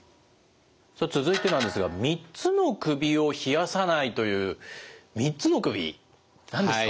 さあ続いてなんですが「３つの首を冷やさない」という３つの首何ですか？